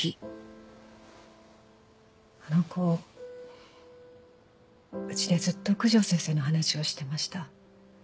あの子うちでずっと九条先生の話をしてました。